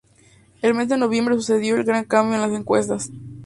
El mes de noviembre sucedió el gran cambio en las encuestas.